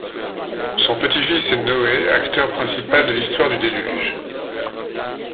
Son petit-fils est Noé, acteur principal de l'histoire du Déluge.